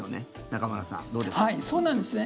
中村さん、どうでしょうか。